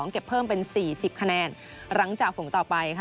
เก็บเพิ่มเป็น๔๐คะแนนหลังจากฝูงต่อไปค่ะ